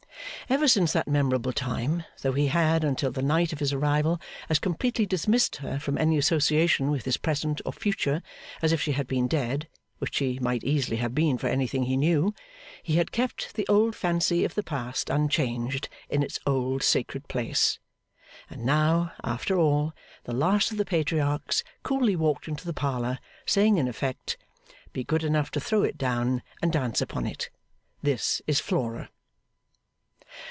Ever since that memorable time, though he had, until the night of his arrival, as completely dismissed her from any association with his Present or Future as if she had been dead (which she might easily have been for anything he knew), he had kept the old fancy of the Past unchanged, in its old sacred place. And now, after all, the last of the Patriarchs coolly walked into the parlour, saying in effect, 'Be good enough to throw it down and dance upon it. This is Flora.